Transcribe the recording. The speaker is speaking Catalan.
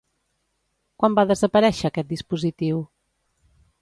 Quan va desaparèixer aquest dispositiu?